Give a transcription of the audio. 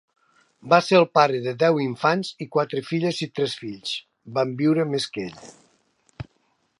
Va ser el pare de deu infants i quatre filles i tres fills van viure més que ell.